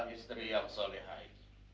istri yang solehai